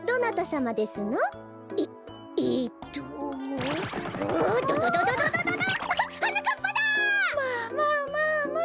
まあまあまあまあ。